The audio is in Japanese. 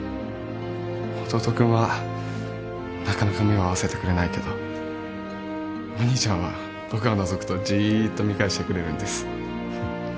弟君はなかなか目を合わせてくれないけどお兄ちゃんは僕がのぞくとジーッと見返してくれるんです